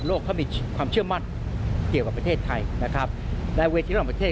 ในเวสที่เราลองประเทศ